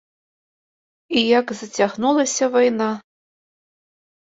І як зацягнулася вайна!